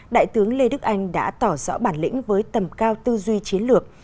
đại tướng lê đức anh đã tỏ rõ bản lĩnh với tầm cao tư duy chiến lược